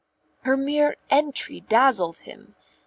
Her mere entry dazzled him.